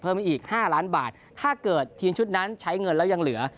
อีก๕ล้านบาทถ้าเกิดทีมชุดนั้นใช้เงินแล้วยังเหลือ